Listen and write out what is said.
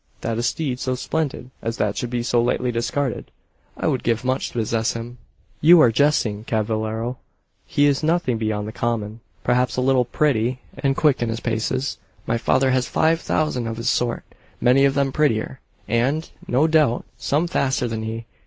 "That a steed so splendid as that should be so lightly discarded. I would give much to possess him." "You are jesting, cavallero. He is nothing beyond the common; perhaps a little pretty, and quick in his paces. My father has five thousand of his sort many of them prettier, and, no doubt, some faster than he.